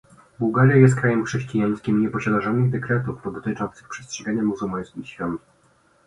Bułgaria jest krajem chrześcijańskim i nie posiada żadnych dekretów dotyczących przestrzegania muzułmańskich świąt